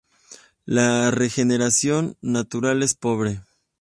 La regeneración natural es pobre.